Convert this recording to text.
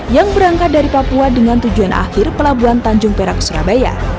yang berangkat dari papua dengan tujuan akhir pelabuhan tanjung perak surabaya